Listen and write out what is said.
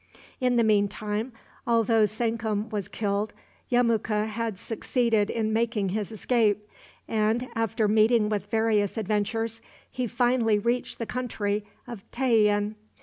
In the mean time, although Sankum was killed, Yemuka had succeeded in making his escape, and, after meeting with various adventures, he finally reached the country of Tayian.